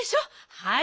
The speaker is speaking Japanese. はい。